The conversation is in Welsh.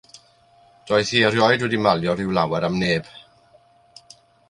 Doedd hi erioed wedi malio rhyw lawer am neb.